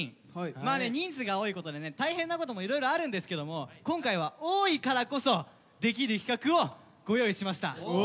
まあね人数が多いことでね大変なこともいろいろあるんですけども今回は多いからこそできる企画をご用意しました。